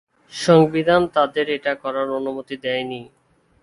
সংবিধান তাঁদের এটা করার অনুমতি দেয়নি।